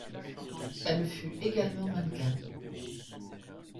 Elle fut également mannequin.